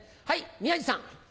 宮治さん。